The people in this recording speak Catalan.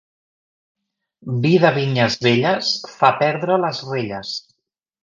Vi de vinyes velles fa perdre les relles.